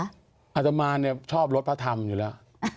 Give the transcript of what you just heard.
อาตมานชอบรถพระธรรมอยู่แล้ว